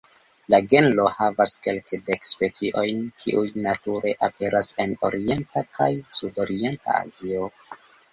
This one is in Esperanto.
La genro havas kelkdek speciojn, kiuj nature aperas en orienta kaj sudorienta Azio.